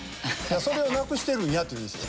「それをなくしてるんや」って言うんです。